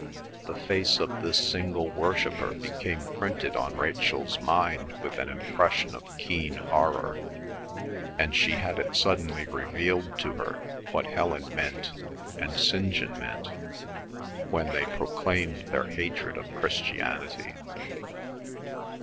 The face of this single worshipper became printed on Rachel's mind with an impression of keen horror, and she had it suddenly revealed to her what Helen meant and St. John meant when they proclaimed their hatred of Christianity.